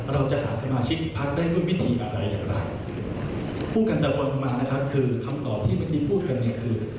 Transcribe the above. เราจะหาสมาชิกพักได้ด้วยวิธีอะไรอย่างไรพูดกันไปมานะครับคือคำตอบที่เมื่อกี้พูดกันเนี่ยคือ